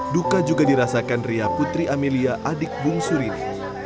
duka juga dirasakan ria putri amelia adik bung surili